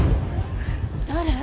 誰？